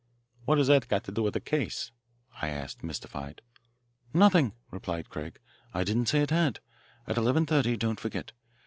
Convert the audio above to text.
"What has that to do with the case?" I asked, mystified. "Nothing," replied Craig. "I didn't say it had. At eleven thirty, don't forget.